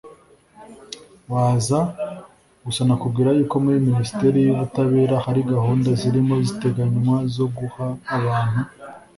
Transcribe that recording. baza, gusa nakubwira yuko muri minisiteri y'ubutabera hari gahunda zirimo ziteganywa zo guha abantu